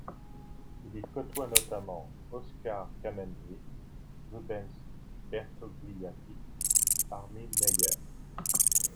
Il y côtoie notamment Oscar Camenzind, Rubens Bertogliati, Armin Meier.